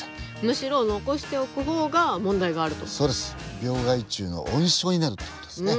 病害虫の温床になるって事ですね。